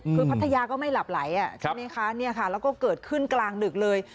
คือพัทยาก็ไม่หลับไหลแล้วก็เกิดขึ้นกลางดึกเลย